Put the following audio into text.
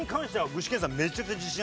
具志堅さん